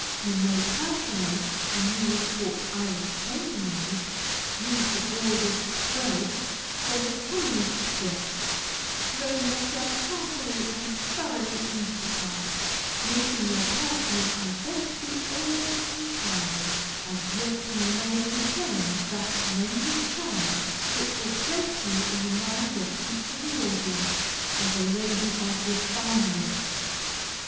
You may personate a newly caught Irish chambermaid, use the broadest brogue, wear the commonest dress, throw yourself heartily and thoroughly into the part, losing your personal identity almost entirely, and yet you may retain that nameless charm, which will place you in the mind of each of the audience as a lady of refinement.